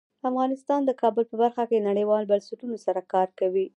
افغانستان د کابل په برخه کې نړیوالو بنسټونو سره کار کوي.